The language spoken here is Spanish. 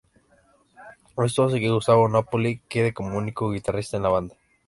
Esto hace que Gustavo Nápoli quede como único guitarrista en la banda.